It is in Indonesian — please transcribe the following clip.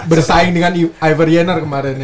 bersaing dengan ivar yener kemarin ya